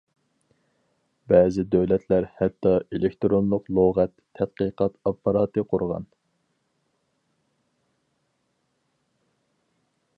بەزى دۆلەتلەر ھەتتا ئېلېكتىرونلۇق لۇغەت تەتقىقات ئاپپاراتى قۇرغان.